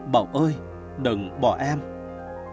bảo ơi nghệ yêu nữ diễn viên kha ly